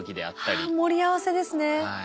あ盛り合わせですね。